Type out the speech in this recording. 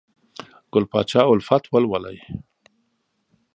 ګل پاچا الفت ولولئ!